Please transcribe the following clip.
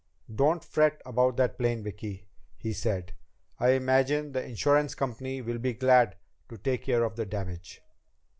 "Don't fret about that plane, Vicki," he said. "I imagine the insurance company will be glad to take care of the damage."